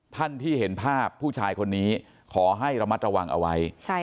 ท่านที่เห็นภาพผู้ชายคนนี้ขอให้ระมัดระวังเอาไว้